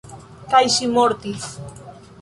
Kaj ŝi mortis.